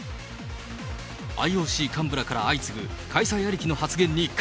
ＩＯＣ幹部らから相次ぐ開催ありきの発言に喝！